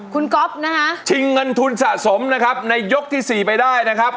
คุณก๊อฟนะฮะชิงเงินทุนสะสมนะครับในยกที่๔ไปได้นะครับ